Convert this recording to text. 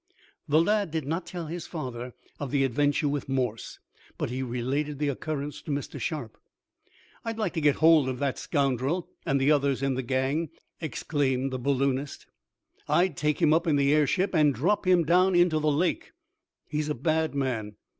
The lad did not tell his father of the adventure with Morse, but he related the occurrence to Mr. Sharp. "I'd like to get hold of that scoundrel, and the others in the gang!" exclaimed the balloonist. "I'd take him up in the airship, and drop him down into the lake. He's a bad man.